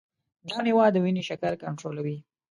دا مېوه د وینې شکر کنټرولوي.